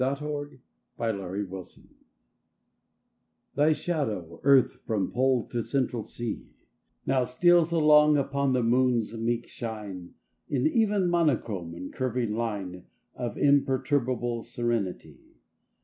AT A LUNAR ECLIPSE THY shadow, Earth, from Pole to Central Sea, Now steals along upon the Moon's meek shine In even monochrome and curving line Of imperturbable serenity.